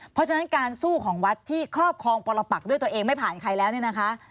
เพราะฉะนั้นการสู้ของวัดที่ครอบครองปรปักด้วยตัวเองไม่ผ่านใครแล้วเนี่ยนะคะ